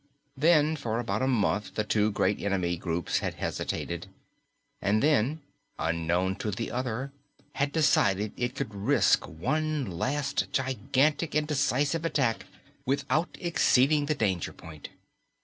Then, for about a month, the two great enemy groups had hesitated. And then each, unknown to the other, had decided it could risk one last gigantic and decisive attack without exceeding the danger point.